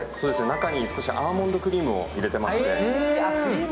中にアーモンドクリームを入れていまして。